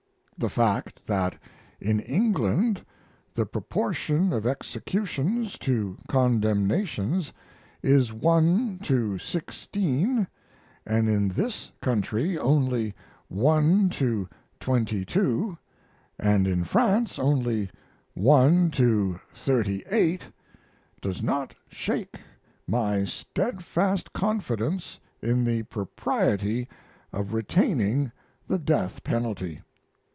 The fact that in England the proportion of executions to condemnations is one to sixteen, and in this country only one to twenty two, and in France only one to thirty eight, does not shake my steadfast confidence in the propriety of retaining the death penalty.